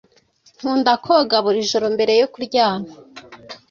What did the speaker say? Nkunda koga buri joro mbere yo kuryama.